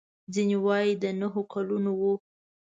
ځینې وايي د نهو کلونو و.